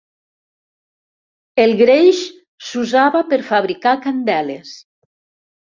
El greix s'usava per fabricar candeles.